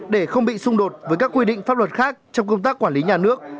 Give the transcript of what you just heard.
để không bị xung đột với các quy định pháp luật khác trong công tác quản lý nhà nước